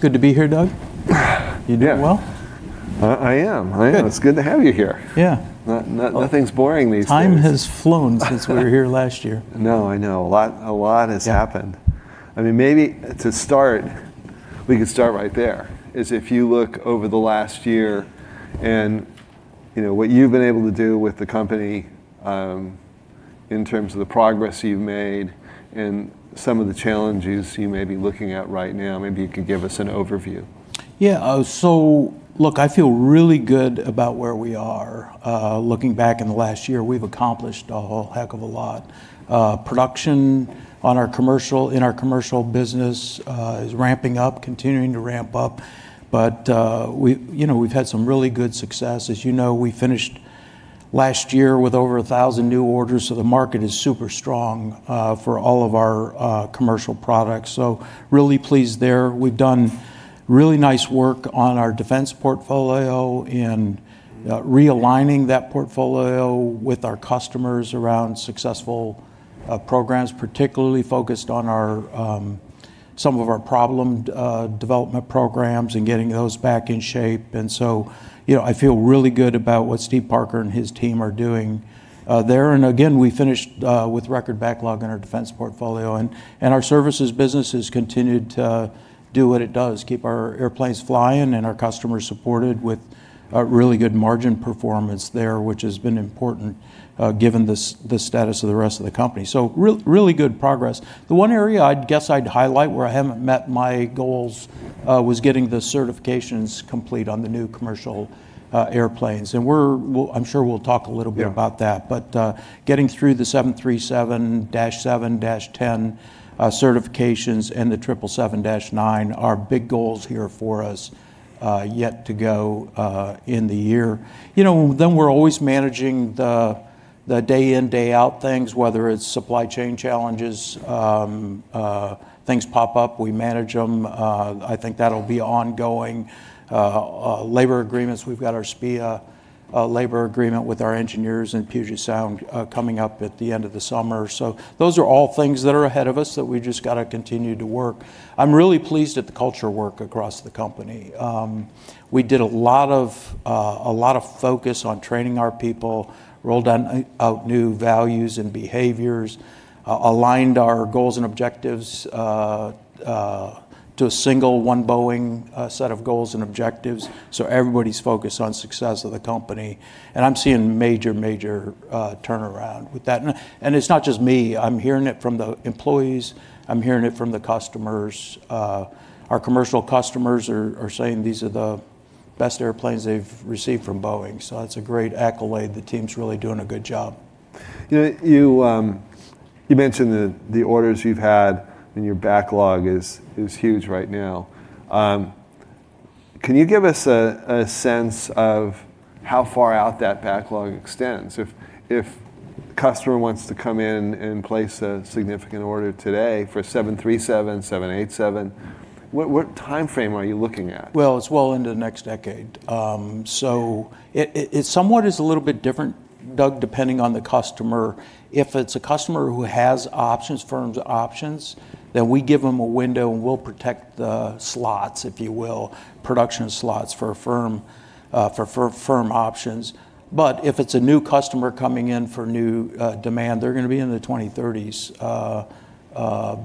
Good to be here, Doug. You doing well? I am. It's good to have you here. Yeah. Nothing's boring these days. Time has flown since we were here last year. I know. A lot has happened. Maybe to start, we could start right there, is if you look over the last year and what you've been able to do with the company, in terms of the progress you've made and some of the challenges you may be looking at right now, maybe you could give us an overview. Yeah. Look, I feel really good about where we are. Looking back in the last year, we've accomplished a whole heck of a lot. Production in our commercial business is ramping up, continuing to ramp up. We've had some really good success. As you know, we finished last year with over 1,000 new orders, so the market is super strong for all of our commercial products. Really pleased there. We've done really nice work on our Defense portfolio, in realigning that portfolio with our customers around successful programs, particularly focused on some of our problem development programs and getting those back in shape. I feel really good about what Steve Parker and his team are doing there. Again, we finished with record backlog in our Defense portfolio. Our services business has continued to do what it does, keep our airplanes flying and our customers supported with really good margin performance there, which has been important given the status of the rest of the company. Really good progress. The one area I'd guess I'd highlight where I haven't met my goals was getting the certifications complete on the new commercial airplanes. I'm sure we'll talk a little bit about that, getting through the 737-7, -10 certifications and the 777-9 are big goals here for us yet to go in the year. We're always managing the day in, day out things, whether it's supply chain challenges, things pop up, we manage them. I think that'll be ongoing. Labor agreements, we've got our SPEEA labor agreement with our engineers in Puget Sound coming up at the end of the summer. Those are all things that are ahead of us that we just got to continue to work. I'm really pleased at the culture work across the company. We did a lot of focus on training our people, rolled out new values and behaviors, aligned our goals and objectives to a single One Boeing set of goals and objectives. Everybody's focused on success of the company. I'm seeing major, major turnaround with that. It's not just me. I'm hearing it from the employees. I'm hearing it from the customers. Our commercial customers are saying these are the best airplanes they've received from Boeing. That's a great accolade. The team's really doing a good job. You mentioned the orders you've had, and your backlog is huge right now. Can you give us a sense of how far out that backlog extends? If a customer wants to come in and place a significant order today for a 737, 787, what timeframe are you looking at? Well, it's well into the next decade. It somewhat is a little bit different, Doug, depending on the customer. If it's a customer who has options, firm options, we give them a window, we'll protect the slots, if you will, production slots, for firm options. If it's a new customer coming in for new demand, they're going to be in the 2030s,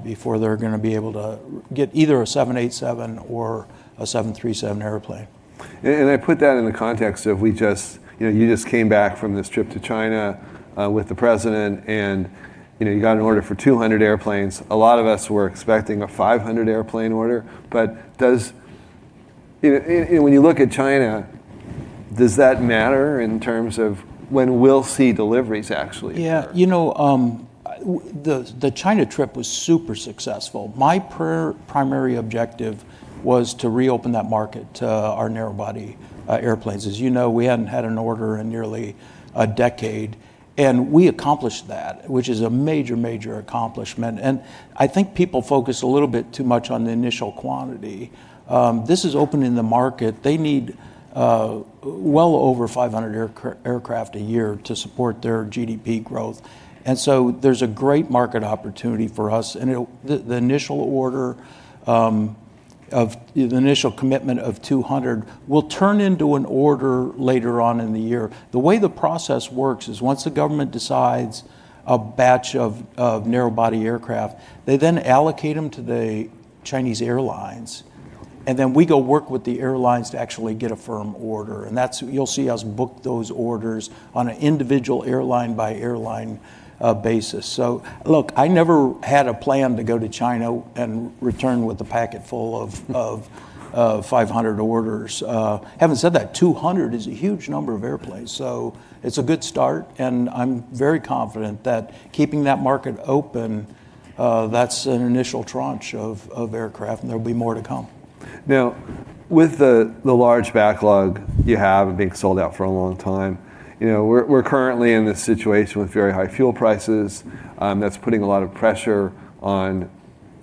before they're going to be able to get either a 787 or a 737 airplane. I put that in the context of you just came back from this trip to China with the President, and you got an order for 200 airplanes. A lot of us were expecting a 500 airplane order. When you look at China, does that matter in terms of when we'll see deliveries actually occur? Yeah. The China trip was super successful. My primary objective was to reopen that market to our narrow body airplanes. As you know, we hadn't had an order in nearly a decade. We accomplished that, which is a major, major accomplishment. I think people focus a little bit too much on the initial quantity. This is opening the market. They need well over 500 aircraft a year to support their GDP growth, and so there's a great market opportunity for us. The initial commitment of 200 will turn into an order later on in the year. The way the process works is once the government decides a batch of narrow body aircraft, they then allocate them to the Chinese airlines. We go work with the airlines to actually get a firm order. You'll see us book those orders on an individual airline by airline basis. Look, I never had a plan to go to China and return with a packet full of 500 orders. Having said that, 200 is a huge number of airplanes, so it's a good start, and I'm very confident that keeping that market open, that's an initial tranche of aircraft, and there'll be more to come. With the large backlog you have and being sold out for a long time, we're currently in this situation with very high fuel prices. That's putting a lot of pressure on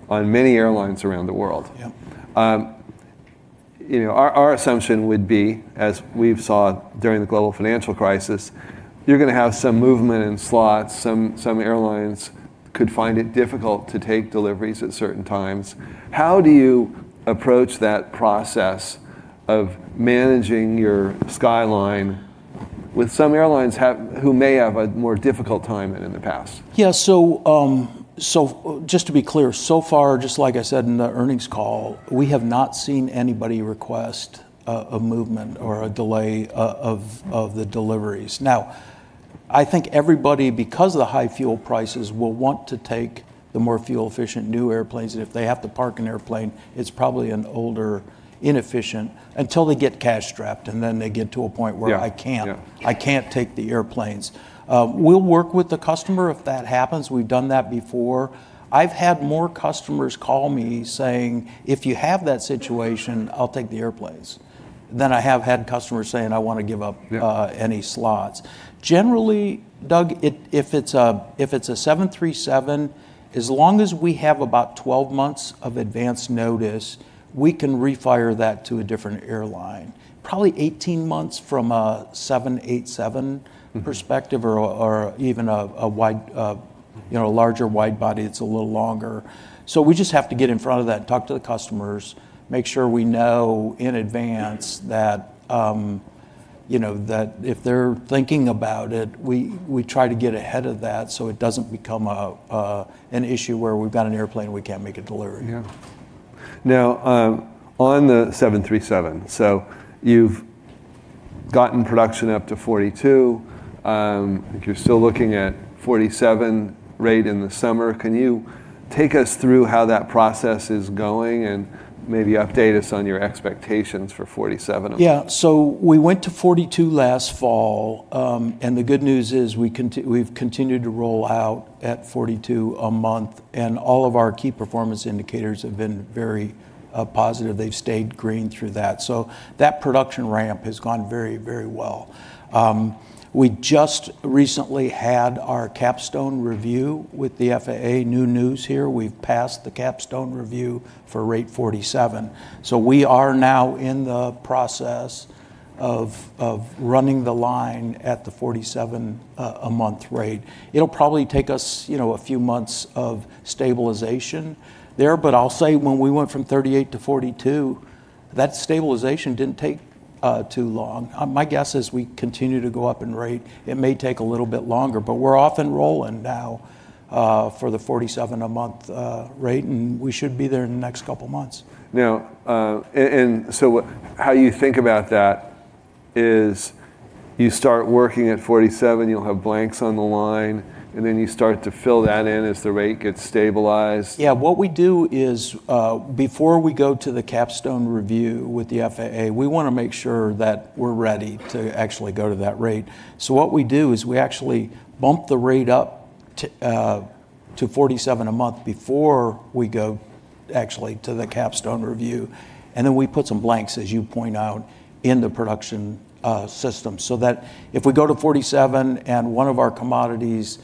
many airlines around the world. Yep. Our assumption would be, as we saw during the global financial crisis, you're going to have some movement in slots. Some airlines could find it difficult to take deliveries at certain times. How do you approach that process of managing your skyline with some airlines who may have a more difficult time than in the past? Yeah. Just to be clear, so far, just like I said in the earnings call, we have not seen anybody request a movement or a delay of the deliveries. I think everybody, because of the high fuel prices, will want to take the more fuel-efficient new airplanes, and if they have to park an airplane, it's probably an older, inefficient, until they get cash-strapped, and then they get to a point where. Yeah. I can't take the airplanes. We'll work with the customer if that happens. We've done that before. I've had more customers call me saying, "If you have that situation, I'll take the airplanes," than I have had customers saying, "I want to give up any slots. Generally, Doug, if it's a 737, as long as we have about 12 months of advance notice, we can refire that to a different airline. Probably 18 months from a 787 perspective or even a larger wide-body, it's a little longer. We just have to get in front of that, talk to the customers, make sure we know in advance that if they're thinking about it, we try to get ahead of that so it doesn't become an issue where we've got an airplane we can't make a delivery. Yeah. On the 737, you've gotten production up to 42. I think you're still looking at 47 rate in the summer. Can you take us through how that process is going, and maybe update us on your expectations for 47 a month? We went to 42 last fall, and the good news is we've continued to roll out at 42 a month, and all of our key performance indicators have been very positive. They've stayed green through that. That production ramp has gone very well. We just recently had our Capstone review with the FAA. New news here, we've passed the Capstone review for rate 47. We are now in the process of running the line at the 47 a month rate. It'll probably take us a few months of stabilization there, but I'll say when we went from 38 to 42, that stabilization didn't take too long. My guess is we continue to go up in rate, it may take a little bit longer, but we're off and rolling now, for the 47 a month rate, and we should be there in the next couple of months. Now, how you think about that is you start working at 47, you'll have blanks on the line, and then you start to fill that in as the rate gets stabilized? What we do is, before we go to the Capstone review with the FAA, we want to make sure that we're ready to actually go to that rate. What we do is we actually bump the rate up to 47 a month before we go actually to the Capstone review, and then we put some blanks, as you point out, in the production system, so that if we go to 47 and one of our commodities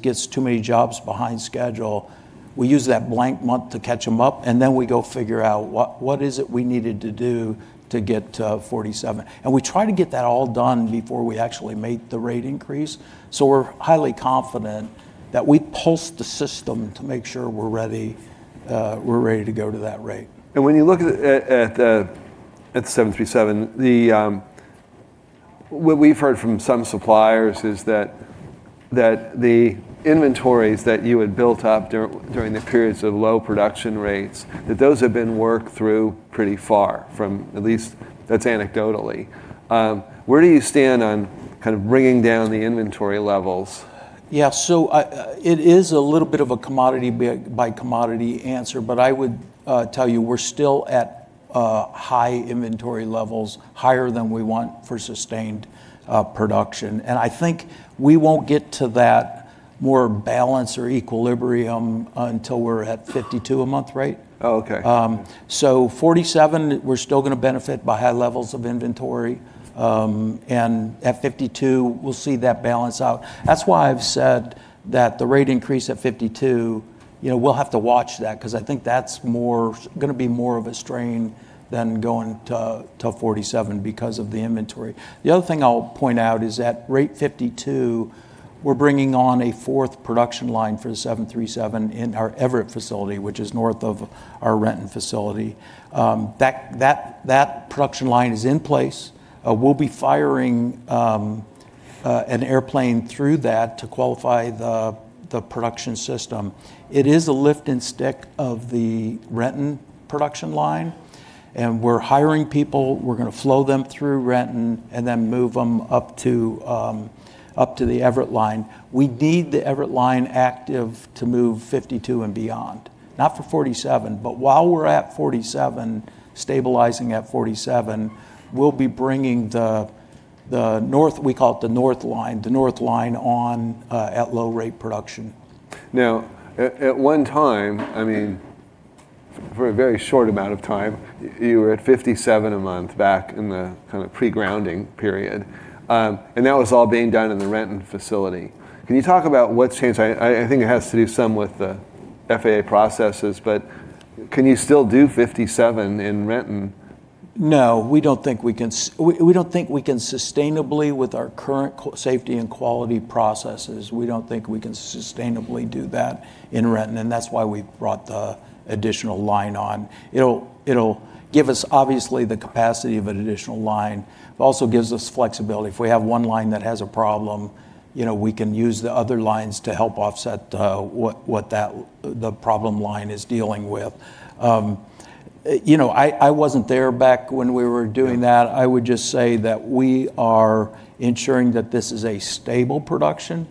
gets too many jobs behind schedule, we use that blank month to catch them up, and then we go figure out what is it we needed to do to get to 47. We try to get that all done before we actually make the rate increase. We're highly confident that we pulse the system to make sure we're ready to go to that rate. When you look at the 737, what we've heard from some suppliers is that the inventories that you had built up during the periods of low production rates, that those have been worked through pretty far, at least that's anecdotally. Where do you stand on kind of bringing down the inventory levels? It is a little bit of a commodity-by-commodity answer, but I would tell you we're still at high inventory levels, higher than we want for sustained production. I think we won't get to that more balance or equilibrium until we're at 52 a month rate. Oh, okay. 47, we're still going to benefit by high levels of inventory. At 52, we'll see that balance out. That's why I've said that the rate increase at 52, we'll have to watch that because I think that's going to be more of a strain than going to 47 because of the inventory. The other thing I'll point out is at rate 52, we're bringing on a fourth production line for the 737 in our Everett facility, which is north of our Renton facility. That production line is in place. We'll be firing an airplane through that to qualify the production system. It is a lift and stick of the Renton production line, and we're hiring people. We're going to flow them through Renton and then move them up to the Everett line. We need the Everett line active to move 52 and beyond. Not for 47, but while we're at 47, stabilizing at 47, we'll be bringing, we call it the north line on at low rate production. At one time, for a very short amount of time, you were at 57 a month back in the pre-grounding period. That was all being done in the Renton facility. Can you talk about what's changed? I think it has to do some with the FAA processes, but can you still do 57 in Renton? No, we don't think we can sustainably, with our current safety and quality processes, we don't think we can sustainably do that in Renton. That's why we brought the additional line on. It'll give us, obviously, the capacity of an additional line. It also gives us flexibility. If we have one line that has a problem, we can use the other lines to help offset what the problem line is dealing with. I wasn't there back when we were doing that. I would just say that we are ensuring that this is a stable production,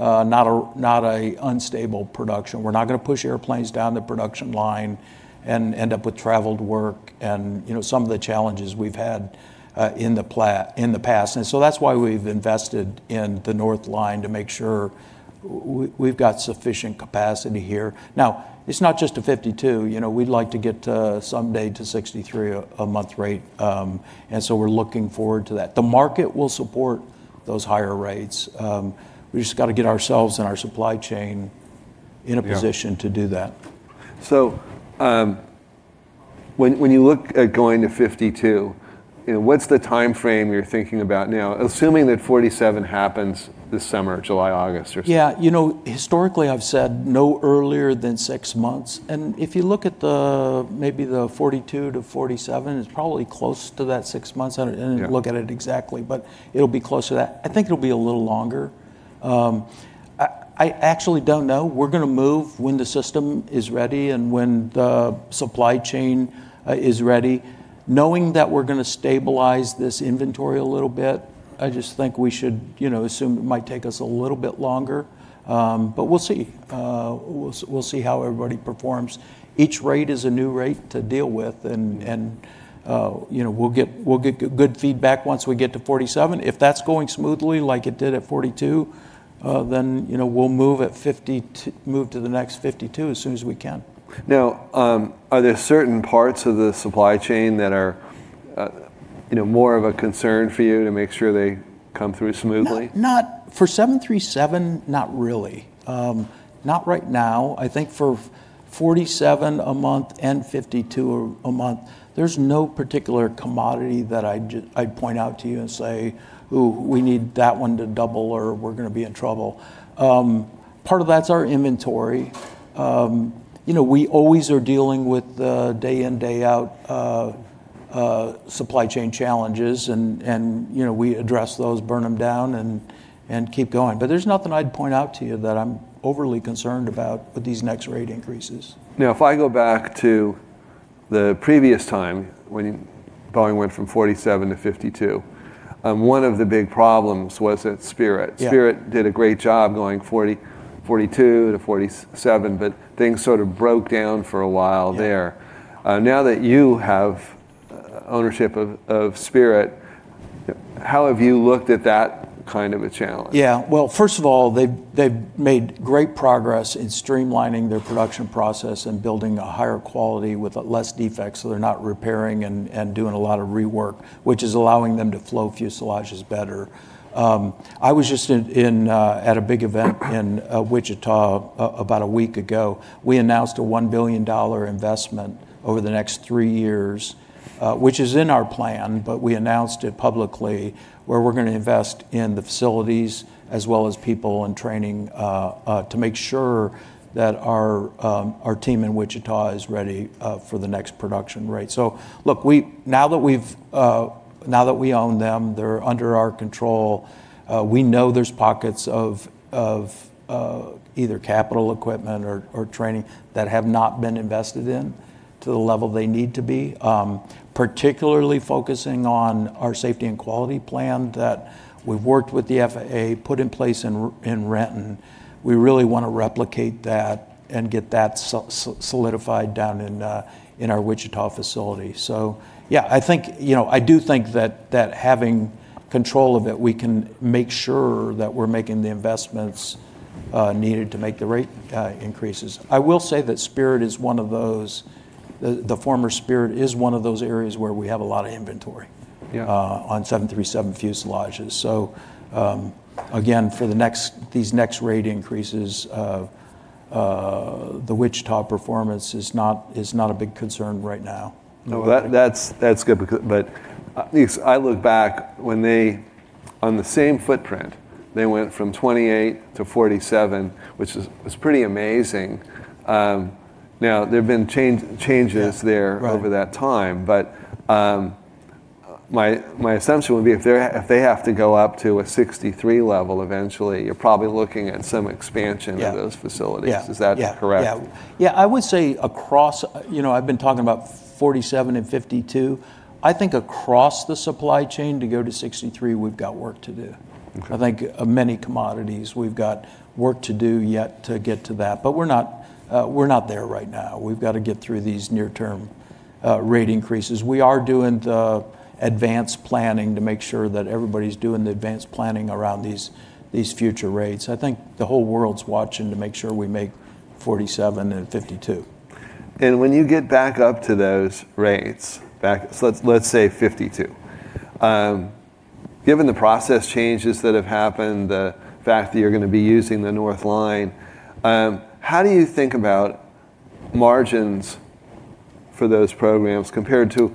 not a unstable production. We're not going to push airplanes down the production line and end up with traveled work and some of the challenges we've had in the past. That's why we've invested in the north line to make sure we've got sufficient capacity here. Now, it's not just a 52. We'd like to get to someday to 63 a month rate. We're looking forward to that. The market will support those higher rates. We've just got to get ourselves and our supply chain in a position- Yeah. to do that. When you look at going to 52, what's the timeframe you're thinking about now, assuming that 47 happens this summer, July or August or so? Yeah. Historically, I've said no earlier than six months, and if you look at maybe the 42-47, it's probably close to that six months. Yeah. I didn't look at it exactly, it'll be close to that. I think it'll be a little longer. I actually don't know. We're going to move when the system is ready and when the supply chain is ready. Knowing that we're going to stabilize this inventory a little bit, I just think we should assume it might take us a little bit longer. We'll see. We'll see how everybody performs. Each rate is a new rate to deal with and we'll get good feedback once we get to 47. If that's going smoothly like it did at 42, then we'll move to the next 52 as soon as we can. Now, are there certain parts of the supply chain that are more of a concern for you to make sure they come through smoothly? For 737, not really. Not right now. I think for 47 a month and 52 a month, there's no particular commodity that I'd point out to you and say, "Ooh, we need that one to double, or we're going to be in trouble." Part of that's our inventory. We always are dealing with the day in, day out supply chain challenges and we address those, burn them down, and keep going. There's nothing I'd point out to you that I'm overly concerned about with these next rate increases. If I go back to the previous time when Boeing went from 47-52, one of the big problems was at Spirit. Yeah. Spirit did a great job going 42-47, but things sort of broke down for a while there. Yeah. Now that you have ownership of Spirit, how have you looked at that kind of a challenge? Yeah. Well, first of all, they've made great progress in streamlining their production process and building a higher quality with less defects, so they're not repairing and doing a lot of rework, which is allowing them to flow fuselages better. I was just at a big event in Wichita about a week ago. We announced a $1 billion investment over the next three years, which is in our plan, but we announced it publicly, where we're going to invest in the facilities as well as people and training to make sure that our team in Wichita is ready for the next production rate. Look, now that we own them, they're under our control. We know there's pockets of either capital equipment or training that have not been invested in to the level they need to be. Particularly focusing on our safety and quality plan that we've worked with the FAA, put in place in Renton. We really want to replicate that and get that solidified down in our Wichita facility. Yeah, I do think that having control of it, we can make sure that we're making the investments needed to make the rate increases. I will say that Spirit is one of those, the former Spirit is one of those areas where we have a lot of inventory on 737 fuselages. Again, for these next rate increases, the Wichita performance is not a big concern right now. No. That's good. Atleast I look back, on the same footprint, they went from 28-47, which was pretty amazing. There've been changes there- Yeah. Right. over that time. My assumption would be if they have to go up to a 63 level eventually, you're probably looking at some expansion- Yeah. of those facilities. Yeah. Is that correct? Yeah. I would say I've been talking about 47 and 52. I think across the supply chain to go to 63, we've got work to do. Okay. I think many commodities we've got work to do yet to get to that. We're not there right now. We've got to get through these near-term rate increases. We are doing the advanced planning to make sure that everybody's doing the advanced planning around these future rates. I think the whole world's watching to make sure we make 47 and 52. When you get back up to those rates, let's say 52. Given the process changes that have happened, the fact that you're going to be using the North Line, how do you think about margins for those programs compared to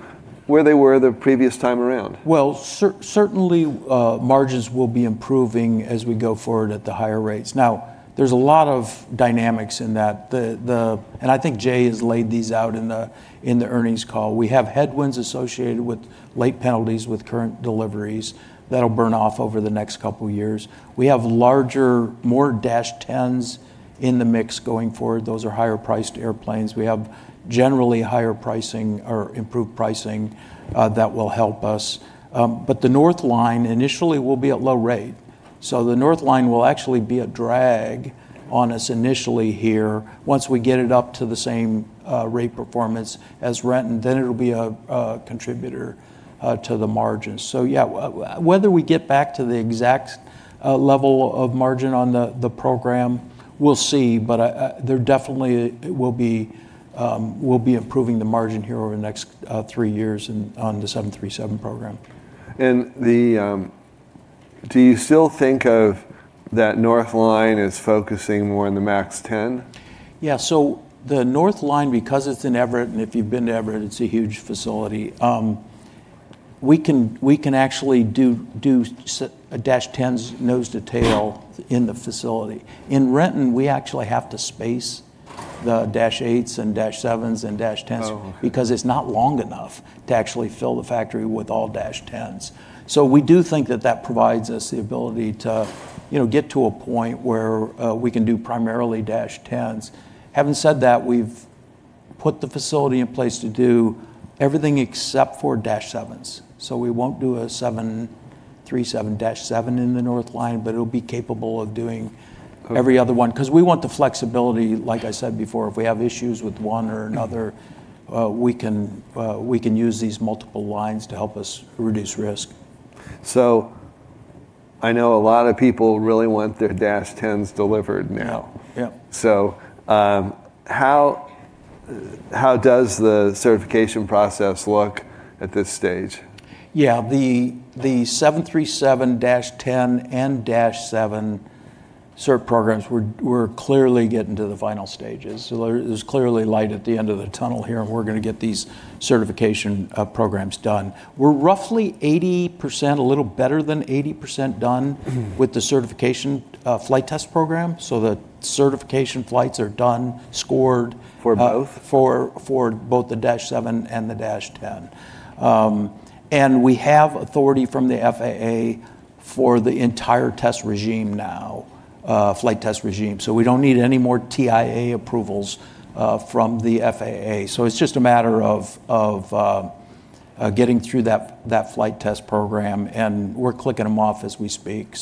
where they were the previous time around? Well, certainly margins will be improving as we go forward at the higher rates. There's a lot of dynamics in that. I think Jay has laid these out in the earnings call. We have headwinds associated with late penalties with current deliveries. That'll burn off over the next couple years. We have larger, more -10s in the mix going forward. Those are higher priced airplanes. We have generally higher pricing or improved pricing that will help us. The North Line initially will be at low rate. The North Line will actually be a drag on us initially here. Once we get it up to the same rate performance as Renton, it'll be a contributor to the margins. Yeah, whether we get back to the exact level of margin on the program, we'll see. They're definitely, we'll be improving the margin here over the next three years and on the 737 program. Do you still think of that North Line as focusing more on the MAX 10? Yeah. The North Line, because it's in Everett, and if you've been to Everett, it's a huge facility, we can actually do -10s nose to tail in the facility. In Renton, we actually have to space the -8s and -7s and -10s. Oh, okay. It's not long enough to actually fill the factory with all -10s. We do think that that provides us the ability to get to a point where we can do primarily -10s. Having said that, we've put the facility in place to do everything except for -7s. We won't do a 737-7 in the North Line, but it'll be capable of doing every other one, because we want the flexibility, like I said before, if we have issues with one or another, we can use these multiple lines to help us reduce risk. I know a lot of people really want their -10s delivered now. Yep. How does the certification process look at this stage? Yeah. The 737-10 and -7 cert programs, we're clearly getting to the final stages. There's clearly light at the end of the tunnel here, and we're going to get these certification programs done. We're roughly 80%, a little better than 80% done with the certification flight test program. The certification flights are done, scored. For both? For both the -7 and the -10. We have authority from the FAA for the entire test regime now, flight test regime. We don't need any more TIA approvals from the FAA. It's just a matter of getting through that flight test program, and we're clicking them off as we speak.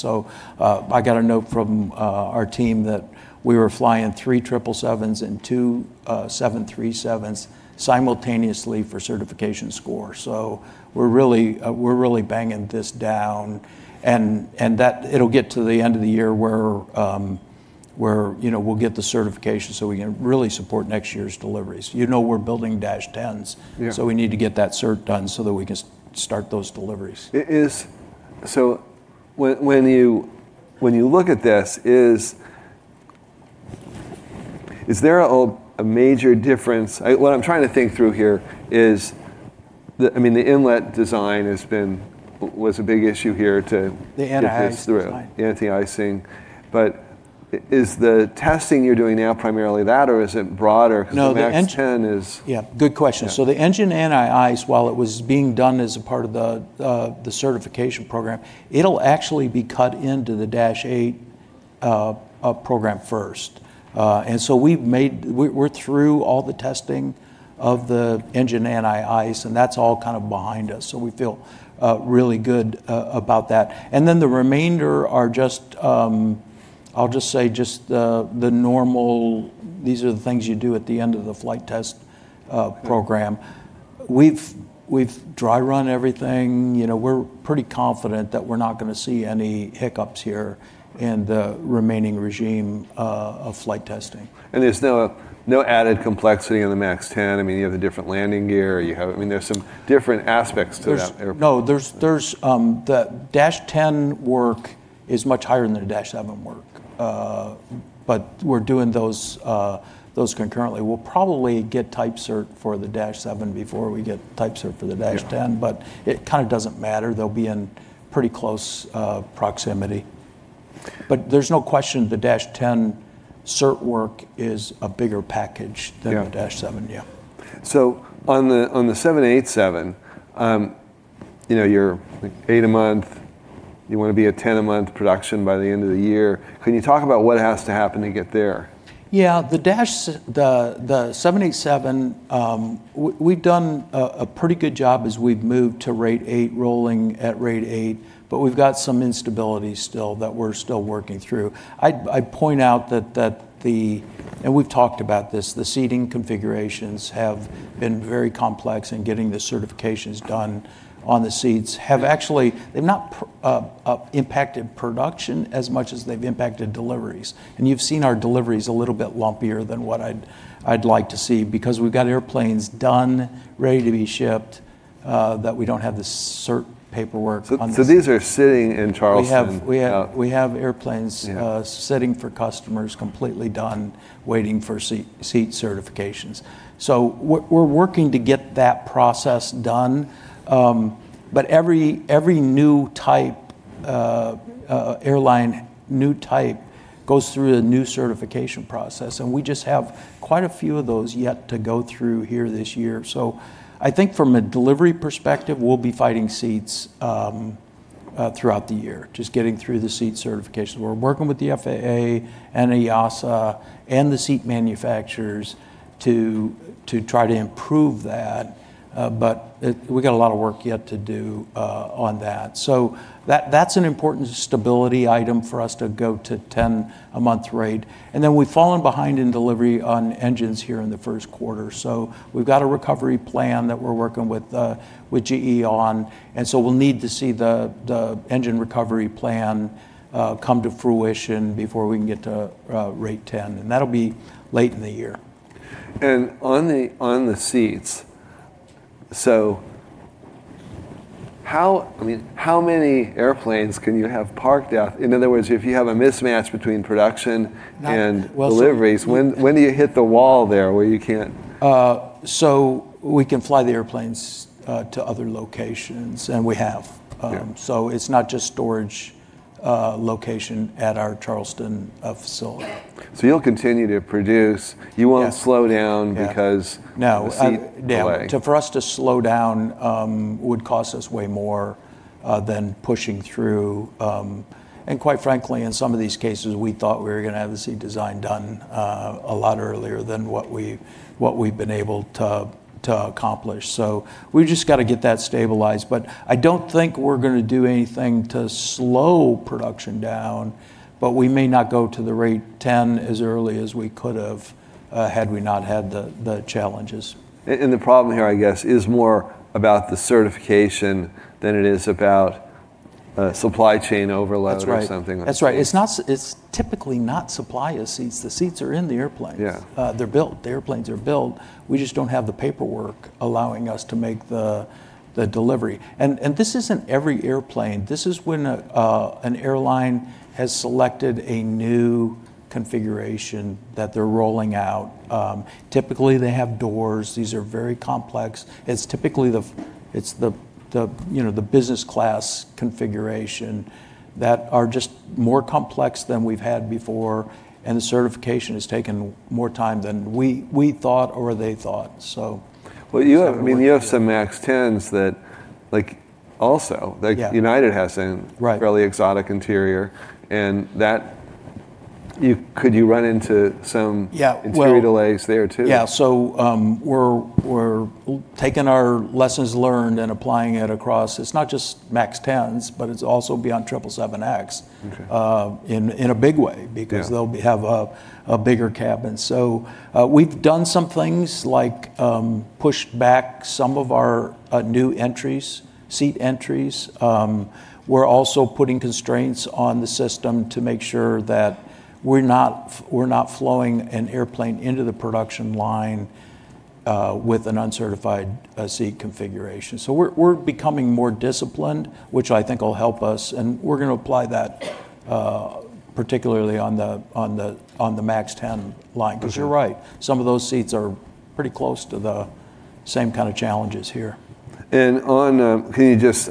I got a note from our team that we were flying three 777s and two 737s simultaneously for certification score. We're really banging this down, and that it'll get to the end of the year where we'll get the certification so we can really support next year's deliveries. You know, we're building -10s. We need to get that cert done so that we can start those deliveries. When you look at this, is there a major difference? What I'm trying to think through here is, the inlet design was a big issue here- The anti-ice design. get this through, the anti-icing. Is the testing you're doing now primarily that, or is it broader? No. Because the MAX 10 is- Yeah, good question. Yeah. The engine anti-ice, while it was being done as a part of the certification program, it'll actually be cut into the -8 program first. We're through all the testing of the engine anti-ice, and that's all kind of behind us. We feel really good about that. The remainder are, I'll just say, just the normal these are the things you do at the end of the flight test program. We've dry run everything. We're pretty confident that we're not going to see any hiccups here in the remaining regime of flight testing. There's no added complexity in the MAX 10? You have the different landing gear, There's some different aspects to that airplane. No. The -10 work is much higher than the -7 work. We're doing those concurrently. We'll probably get type cert for the -7 before we get type cert for the -10. It kind of doesn't matter. They'll be in pretty close proximity. There's no question the -10 cert work is a bigger package. The -7, yeah. On the 787, you're eight a month. You want to be at 10 a month production by the end of the year. Can you talk about what has to happen to get there? Yeah. The 787, we've done a pretty good job as we've moved to rate eight, rolling at rate eight. We've got some instability still that we're still working through. I'd point out that the, and we've talked about this, the seating configurations have been very complex, and getting the certifications done on the seats have actually, they've not impacted production as much as they've impacted deliveries. You've seen our deliveries a little bit lumpier than what I'd like to see, because we've got airplanes done, ready to be shipped that we don't have the cert paperwork on this. These are sitting in Charleston? We have airplanes sitting for customers, completely done, waiting for seat certifications. We're working to get that process done. Every new type, airline new type, goes through a new certification process, and we just have quite a few of those yet to go through here this year. I think from a delivery perspective, we'll be fighting seats throughout the year, just getting through the seat certifications. We're working with the FAA, EASA, and the seat manufacturers to try to improve that. We've got a lot of work yet to do on that. That's an important stability item for us to go to 10 a month rate. We've fallen behind in delivery on engines here in the first quarter. We've got a recovery plan that we're working with GE on, we'll need to see the engine recovery plan come to fruition before we can get to rate 10, and that'll be late in the year. On the seats, how many airplanes can you have parked out? In other words, if you have a mismatch between production and deliveries, when do you hit the wall there, where you can't? We can fly the airplanes to other locations, and we have. It's not just storage location at our Charleston facility. You'll continue to produce. You won't slow down because- No. of seat delay. For us to slow down would cost us way more than pushing through. Quite frankly, in some of these cases, we thought we were going to have the seat design done a lot earlier than what we've been able to accomplish. We've just got to get that stabilized. I don't think we're going to do anything to slow production down, but we may not go to the rate 10 as early as we could've, had we not had the challenges. The problem here, I guess, is more about the certification than it is about supply chain overload or something. That's right. It's typically not supply of seats. The seats are in the airplanes. Yeah. They're built. The airplanes are built. We just don't have the paperwork allowing us to make the delivery. This isn't every airplane. This is when an airline has selected a new configuration that they're rolling out. Typically, they have doors. These are very complex. It's typically the business class configuration that are just more complex than we've had before, and the certification has taken more time than we thought or they thought. Well, you have some MAX 10s that also. Yeah. United has a- Right. fairly exotic interior. Could you run into some- Yeah. interior delays there too? We're taking our lessons learned and applying it across, it's not just MAX 10s, but it's also beyond 777X. Okay. In a big way. Because they'll have a bigger cabin. We've done some things like pushed back some of our new seat entries. We're also putting constraints on the system to make sure that we're not flowing an airplane into the production line with an uncertified seat configuration. We're becoming more disciplined, which I think will help us, and we're going to apply that particularly on the MAX 10 line. You're right, some of those seats are pretty close to the same kind of challenges here. Can you just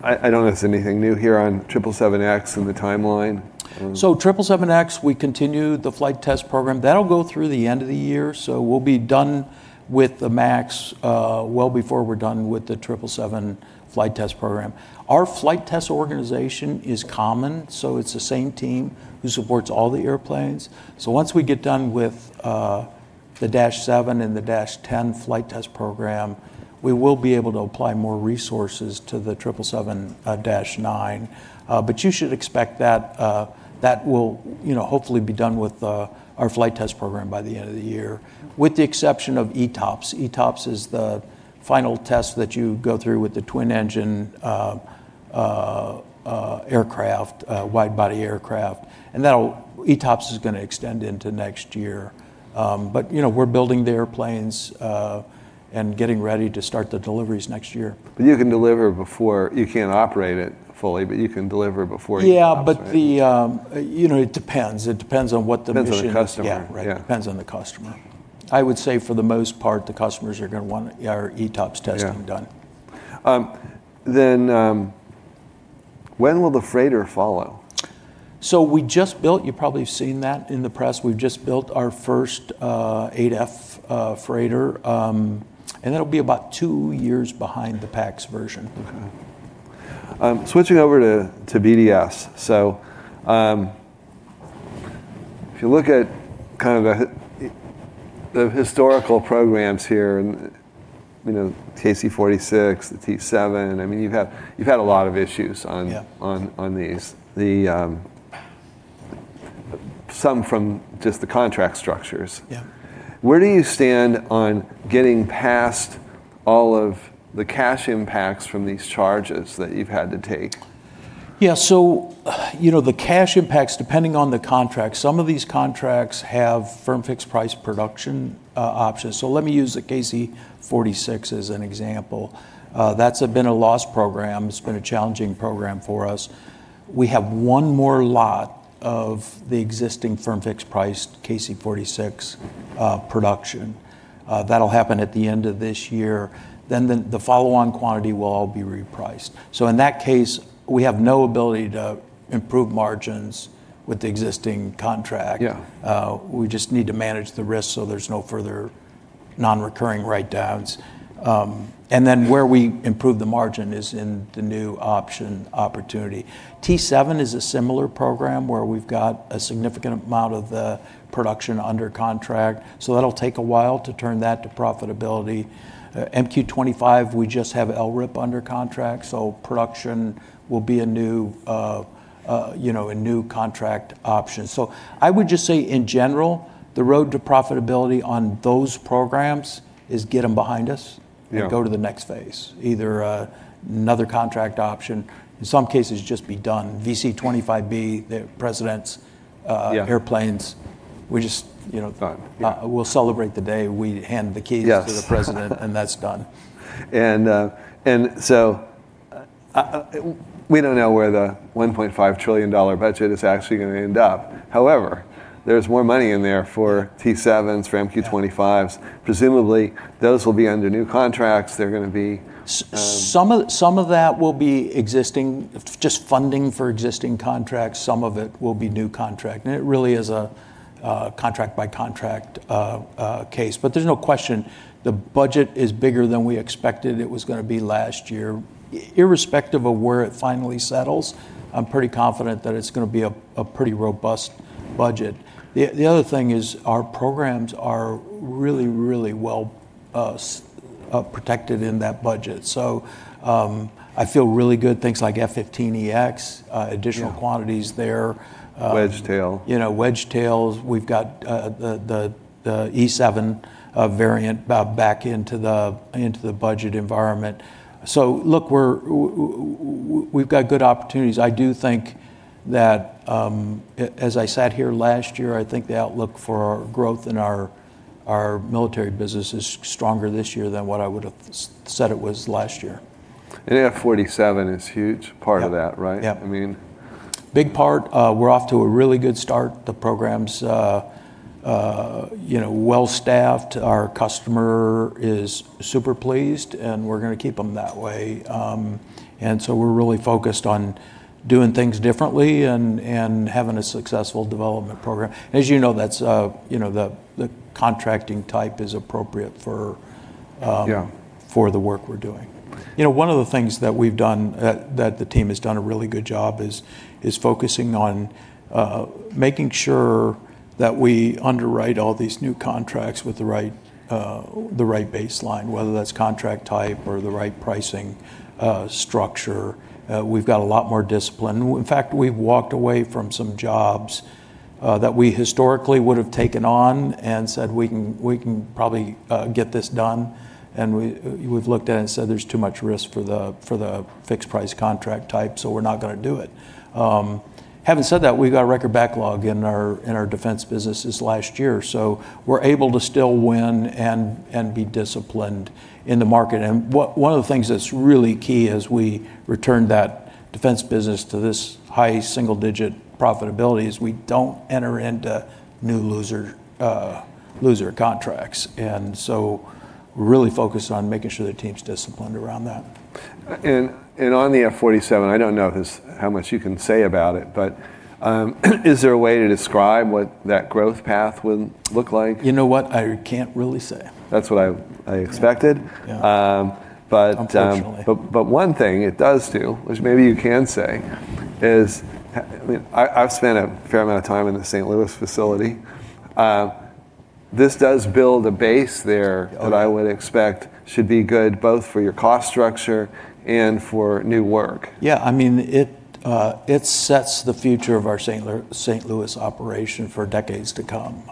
I don't know if it's anything new here on 777X and the timeline? 777X, we continued the flight test program. That'll go through the end of the year, so we'll be done with the MAX well before we're done with the 777 flight test program. Our flight test organization is common, so it's the same team who supports all the airplanes. Once we get done with the -7 and the -10 flight test program, we will be able to apply more resources to the 777-9. You should expect that that will hopefully be done with our flight test program by the end of the year, with the exception of ETOPS. ETOPS is the final test that you go through with the twin engine aircraft, wide body aircraft, and ETOPS is going to extend into next year. We're building the airplanes and getting ready to start the deliveries next year. You can deliver before. You can't operate it fully, but you can deliver before you can operate it. Yeah, but it depends. It depends on what the mission- Depends on the customer. Yeah, right. Depends on the customer. I would say for the most part, the customers are going to want our ETOPS testing done. Yeah. When will the freighter follow? You probably have seen that in the press, we've just built our first 8F freighter. That'll be about two years behind the PAX version. Okay. Switching over to BDS. If you look at the historical programs here, KC-46, the T-7, you've had a lot of issues on- Yeah. on these. Some from just the contract structures. Yeah. Where do you stand on getting past all of the cash impacts from these charges that you've had to take? Yeah. The cash impacts, depending on the contract, some of these contracts have firm-fixed-price production options. Let me use the KC-46 as an example. That's been a loss program. It's been a challenging program for us. We have one more lot of the existing firm-fixed-price KC-46 production. That'll happen at the end of this year. The follow-on quantity will all be repriced. In that case, we have no ability to improve margins with the existing contract. Yeah. We just need to manage the risk so there's no further non-recurring write-downs. Where we improve the margin is in the new option opportunity. T-7 is a similar program, where we've got a significant amount of the production under contract. That'll take a while to turn that to profitability. MQ-25, we just have LRIP under contract, so production will be a new contract option. I would just say, in general, the road to profitability on those programs is get them behind us. Yeah. Go to the next phase. Either another contract option, in some cases, just be done. VC-25B, the President's airplanes, Done. Yeah. we'll celebrate the day we hand the key to the President and that's done. We don't know where the $1.5 trillion budget is actually going to end up. However, there's more money in there for T-7s, for MQ-25s. Presumably, those will be under new contracts they're gonna be- Some of that will be existing, just funding for existing contracts. Some of it will be new contract, and it really is a contract by contract case. There's no question, the budget is bigger than we expected it was going to be last year. Irrespective of where it finally settles, I'm pretty confident that it's going to be a pretty robust budget. The other thing is our programs are really, really well protected in that budget. I feel really good. Things like F-15EX. Additional quantities there. Wedgetail. Wedgetails. We've got the E-7 variant back into the budget environment. Look, we've got good opportunities. I do think that, as I sat here last year, I think the outlook for our growth in our military business is stronger this year than what I would've said it was last year. 47 is huge part of that, right? Yeah. I mean. Big part. We're off to a really good start. The program's well-staffed. Our customer is super pleased, and we're going to keep them that way. We're really focused on doing things differently and having a successful development program. As you know, the contracting type is appropriate for the work we're doing. One of the things that the team has done a really good job is focusing on making sure that we underwrite all these new contracts with the right baseline, whether that's contract type or the right pricing structure. We've got a lot more discipline. In fact, we've walked away from some jobs that we historically would've taken on, and said, "We can probably get this done." We've looked at it and said, "There's too much risk for the fixed price contract type, so we're not going to do it." Having said that, we got a record backlog in our defense businesses last year, so we're able to still win and be disciplined in the market. One of the things that's really key as we return that defense business to this high single-digit profitability is we don't enter into new loser contracts. We're really focused on making sure the team's disciplined around that. On the F-47, I don't know how much you can say about it, but is there a way to describe what that growth path would look like? You know what? I can't really say. That's what I expected. Yeah. Unfortunately. One thing it does do, which maybe you can say, is, I've spent a fair amount of time in the St. Louis facility. This does build a base there that I would expect should be good both for your cost structure and for new work. Yeah. It sets the future of our St. Louis operation for decades to come.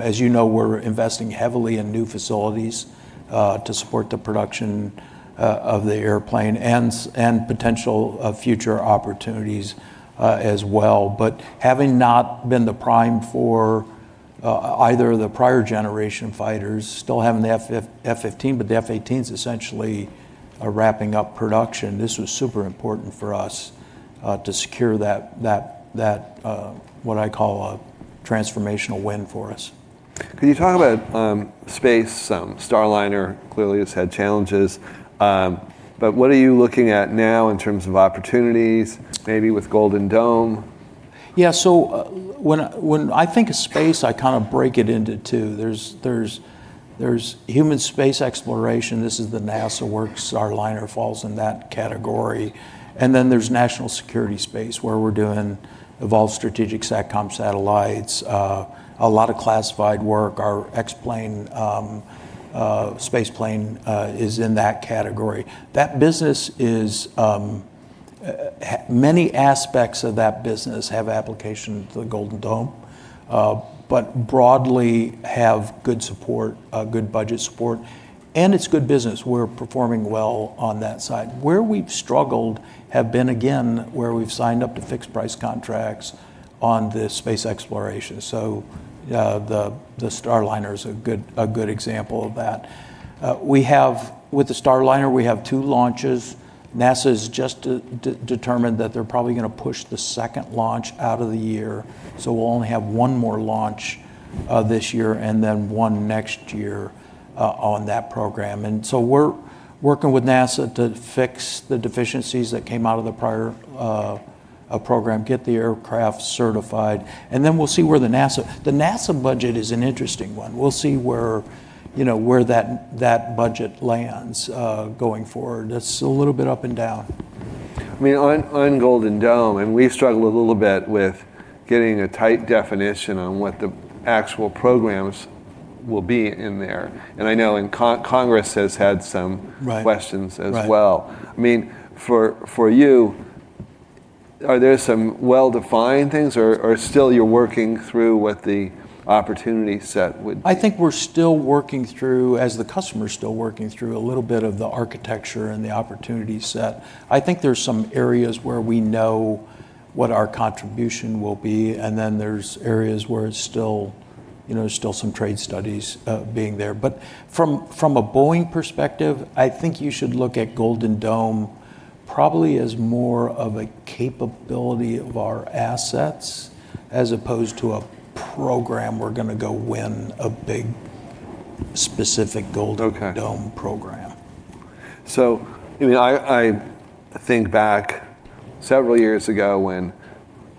As you know, we're investing heavily in new facilities to support the production of the airplane and potential future opportunities as well. Having not been the prime for either of the prior generation fighters, still having the F-15, but the F-18s essentially are wrapping up production. This was super important for us to secure what I call a transformational win for us. Can you talk about space? Starliner, clearly it's had challenges. What are you looking at now in terms of opportunities, maybe with Golden Dome? Yeah. When I think of space, I kind of break it into two. There's human space exploration. This is the NASA work. Starliner falls in that category. There's national security space, where we're doing Evolved Strategic SATCOM satellites, a lot of classified work. Our X-plane, space plane, is in that category. Many aspects of that business have application to the Golden Dome, but broadly have good support, good budget support, and it's good business. We're performing well on that side. Where we've struggled have been, again, where we've signed up to fixed price contracts on the space exploration. The Starliner is a good example of that. With the Starliner, we have two launches. NASA's just determined that they're probably going to push the second launch out of the year, so we'll only have one more launch this year, and then one next year on that program. We're working with NASA to fix the deficiencies that came out of the prior program, get the aircraft certified, and then we'll see where The NASA budget is an interesting one. We'll see where that budget lands going forward. It's a little bit up and down. On Golden Dome, and we've struggled a little bit with getting a tight definition on what the actual programs will be in there, and I know Congress has had some- Right. questions as well. For you, are there some well-defined things, or still you're working through what the opportunity set would be? I think we're still working through, as the customer's still working through, a little bit of the architecture and the opportunity set. I think there's some areas where we know what our contribution will be, and then there's areas where there's still some trade studies being there. From a Boeing perspective, I think you should look at Golden Dome probably as more of a capability of our assets as opposed to a program we're going to go win a big specific Golden Dome program. I think back several years ago when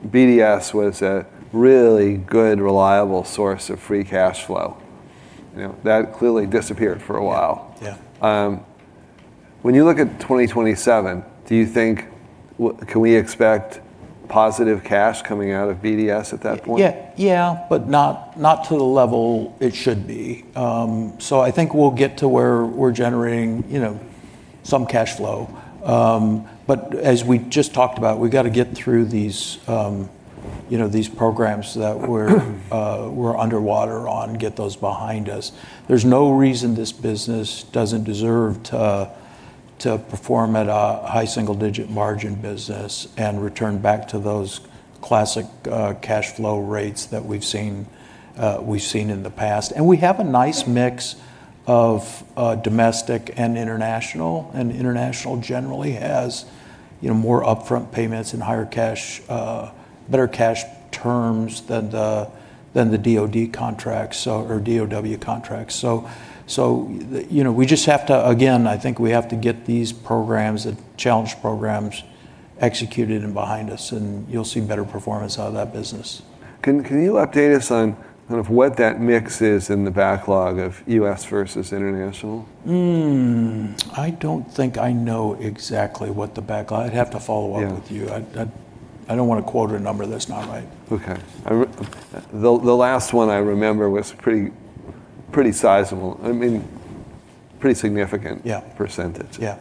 BDS was a really good, reliable source of free cash flow. That clearly disappeared for a while. Yeah. When you look at 2027, can we expect positive cash coming out of BDS at that point? Not to the level it should be. I think we'll get to where we're generating some cash flow. As we just talked about, we got to get through these programs that we're underwater on, get those behind us. There's no reason this business doesn't deserve to perform at a high single-digit margin business and return back to those classic cash flow rates that we've seen in the past. We have a nice mix of domestic and international, and international generally has more upfront payments and better cash terms than the DoD contracts or DoW contracts. Again, I think we have to get these challenged programs executed and behind us, and you'll see better performance out of that business. Can you update us on what that mix is in the backlog of U.S. versus international? I don't think I know exactly what the backlog I'd have to follow up with you. I don't want to quote a number that's not right. Okay. The last one I remember was pretty sizable. Yeah. Pretty significant percentage. Yeah.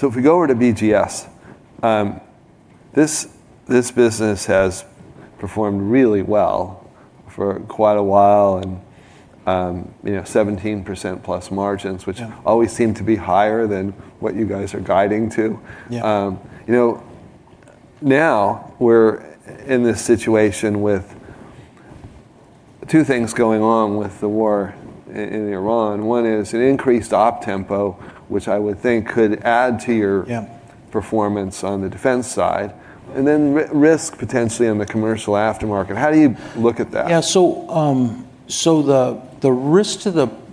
If we go over to BGS, this business has performed really well for quite a while and 17% plus margins which always seem to be higher than what you guys are guiding to. Yeah. We're in this situation with two things going on with the war in Iran. One is an increased op tempo, which I would think could add to your performance on the defense side, and then risk potentially on the commercial aftermarket. How do you look at that? Yeah.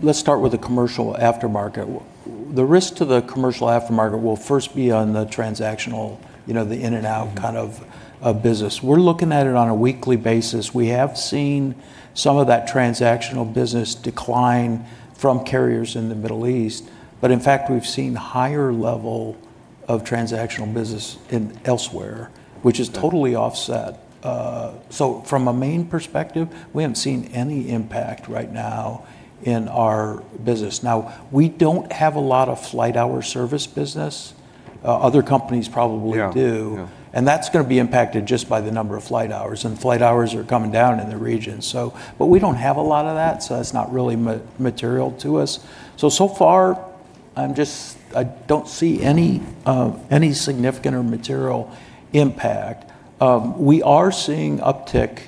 Let's start with the commercial aftermarket. The risk to the commercial aftermarket will first be on the transactional, the in and out kind of business. We're looking at it on a weekly basis. We have seen some of that transactional business decline from carriers in the Middle East. In fact, we've seen higher level of transactional business in elsewhere, which is totally offset. From a main perspective, we haven't seen any impact right now in our business. Now, we don't have a lot of flight hour service business. Other companies probably do. That's going to be impacted just by the number of flight hours, and flight hours are coming down in the region. We don't have a lot of that, so that's not really material to us. So far, I don't see any significant or material impact. We are seeing uptick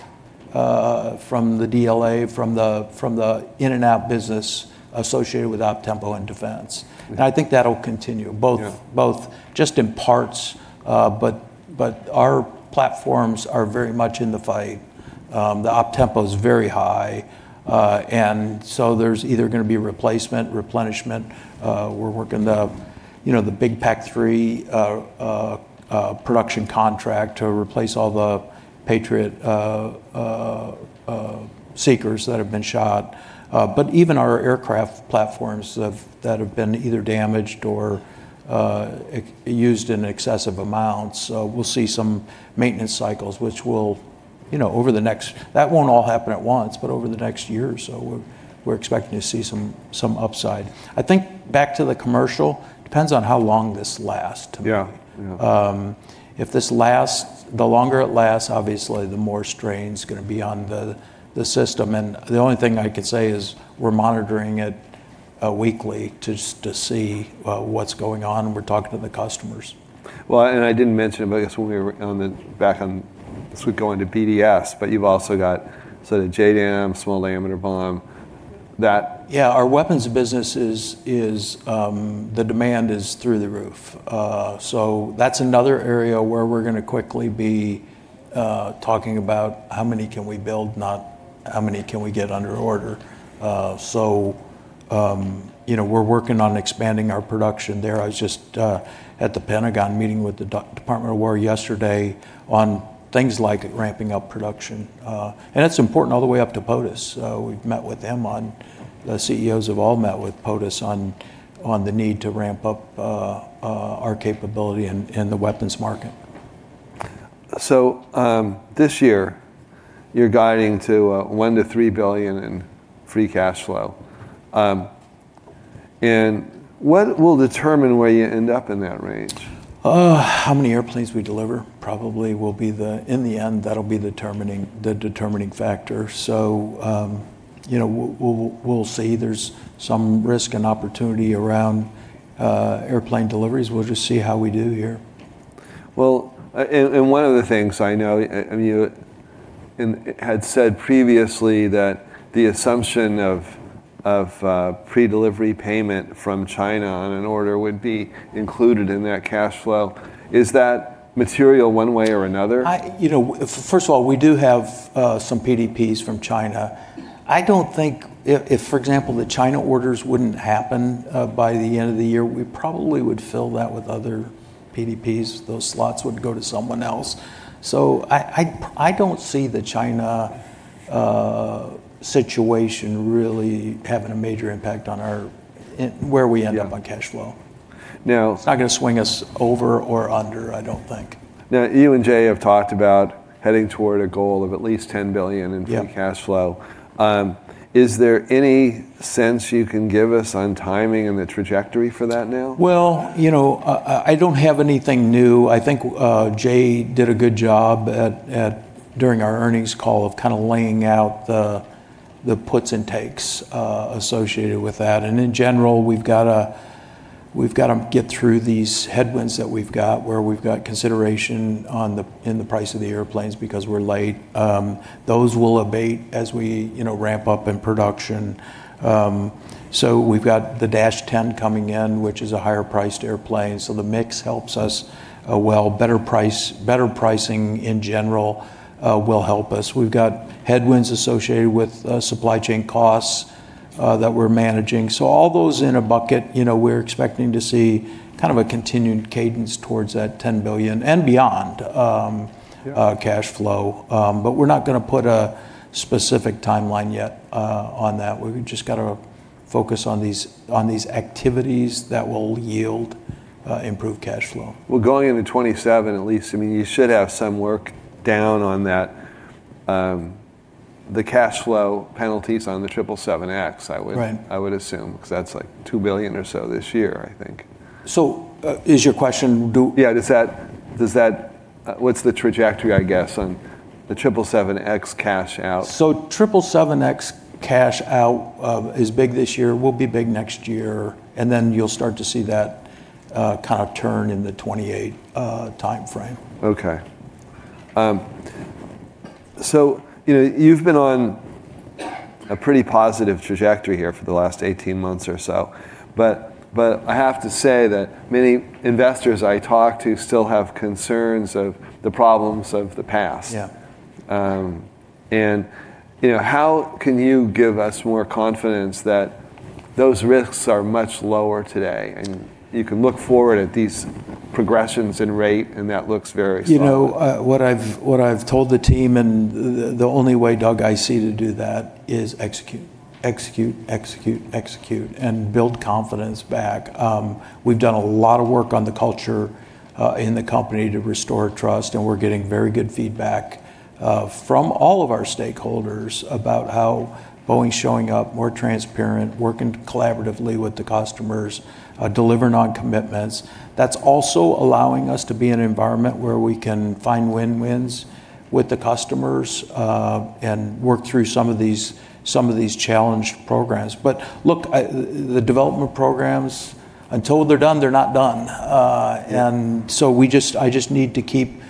from the DLA, from the in and out business associated with op tempo and defense. I think that'll continue Both just in parts, but our platforms are very much in the fight. The op tempo is very high. There's either going to be replacement, replenishment. We're working the big PAC-3 production contract to replace all the Patriot interceptors that have been shot. Even our aircraft platforms that have been either damaged or used in excessive amounts, we'll see some maintenance cycles. Over the next, that won't all happen at once, but over the next year or so, we're expecting to see some upside. I think back to the commercial, depends on how long this lasts. Yeah. If this lasts, the longer it lasts, obviously, the more strain's going to be on the system. The only thing I can say is we're monitoring it weekly to see what's going on, and we're talking to the customers. Well, I didn't mention it, but I guess back on, this would go into BDS, but you've also got sort of JDAM, Small Diameter Bomb. Yeah, our weapons business, the demand is through the roof. That's another area where we're going to quickly be talking about how many can we build, not how many can we get under order. We're working on expanding our production there. I was just at the Pentagon meeting with the Department of War yesterday on things like ramping up production. It's important all the way up to POTUS, the CEOs have all met with POTUS on the need to ramp up our capability in the weapons market. This year you're guiding to a $1 billion-$3 billion in free cash flow. What will determine where you end up in that range? How many airplanes we deliver probably will be the, in the end, that'll be the determining factor. We'll see. There's some risk and opportunity around airplane deliveries. We'll just see how we do here. Well, one of the things I know, and you had said previously that the assumption of Pre-Delivery Payment from China on an order would be included in that cash flow. Is that material one way or another? We do have some PDPs from China. I don't think if, for example, the China orders wouldn't happen, by the end of the year, we probably would fill that with other PDPs. Those slots would go to someone else. I don't see the China situation really having a major impact on where we end up on cash flow. Now- It's not going to swing us over or under, I don't think. Now, you and Jay have talked about heading toward a goal of at least $10 billion in free cash flow. Is there any sense you can give us on timing and the trajectory for that now? Well, I don't have anything new. I think, Jay did a good job during our earnings call of laying out the puts and takes associated with that. In general, we've got to get through these headwinds that we've got, where we've got consideration in the price of the airplanes because we're late. Those will abate as we ramp up in production. We've got the -10 coming in, which is a higher priced airplane. The mix helps us. Well, better pricing, in general, will help us. We've got headwinds associated with supply chain costs that we're managing. All those in a bucket, we're expecting to see a continued cadence towards that $10 billion and beyond cash flow. We're not going to put a specific timeline yet on that. We've just got to focus on these activities that will yield improved cash flow. Well, going into 2027 at least, you should have some work down on that, the cash flow penalties on the 777X. Right. I would assume, because that's $2 billion or so this year, I think. So, is your question do- What's the trajectory, I guess, on the 777X cash out? 777X cash out is big this year, will be big next year, and then you'll start to see that kind of turn in the 2028 timeframe. Okay. You've been on a pretty positive trajectory here for the last 18 months or so. I have to say that many investors I talk to still have concerns of the problems of the past. Yeah. How can you give us more confidence that those risks are much lower today, and you can look forward at these progressions and rate, and that looks very solid? What I've told the team, and the only way, Doug, I see to do that is execute. Execute, execute, execute, and build confidence back. We've done a lot of work on the culture in the company to restore trust, and we're getting very good feedback from all of our stakeholders about how Boeing's showing up, more transparent, working collaboratively with the customers, delivering on commitments. That's also allowing us to be in an environment where we can find win-wins with the customers, and work through some of these challenged programs. But look, the development programs, until they're done, they're not done. I just need to keep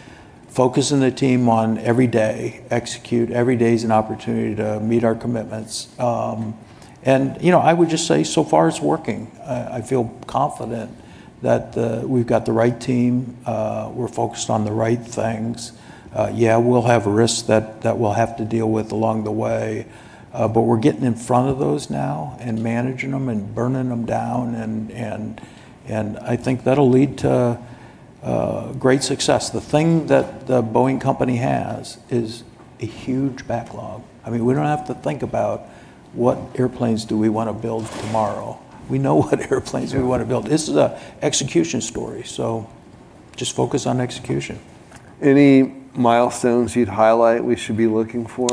focusing the team on every day, execute. Every day is an opportunity to meet our commitments. I would just say, so far it's working. I feel confident that we've got the right team. We're focused on the right things. Yeah, we'll have risks that we'll have to deal with along the way. We're getting in front of those now and managing them and burning them down, and I think that'll lead to great success. The thing that the Boeing Company has is a huge backlog. We don't have to think about what airplanes do we want to build tomorrow. We know what airplanes we want to build. This is an execution story, so just focus on execution. Any milestones you'd highlight we should be looking for?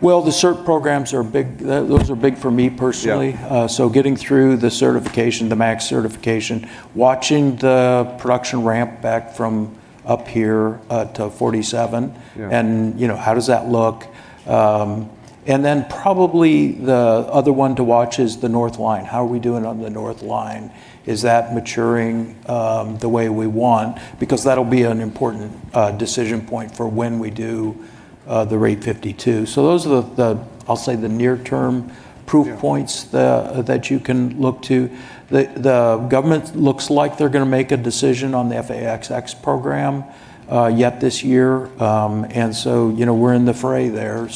Well, the cert programs, those are big for me personally. Yeah. Getting through the certification, the MAX certification, watching the production ramp back from up here to 47. How does that look? Probably the other one to watch is the north line. How are we doing on the north line? Is that maturing the way we want? That'll be an important decision point for when we do the Rate 52. Those are the, I'll say, the near term proof points that you can look to. The government looks like they're going to make a decision on the F/A-XX program yet this year. We're in the fray there.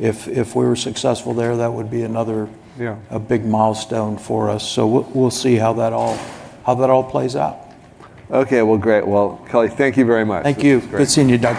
If we're successful there, that would be another a big milestone for us. We'll see how that all plays out. Okay. Well, great. Well, Kelly, thank you very much. Thank you. It's great. Good seeing you, Doug.